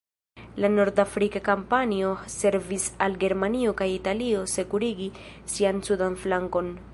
La Nord-Afrika kampanjo servis al Germanio kaj Italio sekurigi sian sudan flankon.